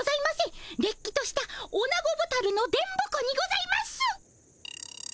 れっきとしたオナゴボタルの電ボ子にございます。